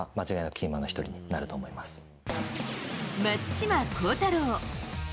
松島幸太朗。